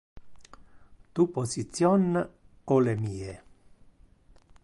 Tu position o le mie?